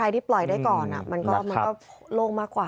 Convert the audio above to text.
ที่ปล่อยได้ก่อนมันก็โล่งมากกว่า